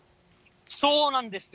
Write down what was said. そうなんですよ。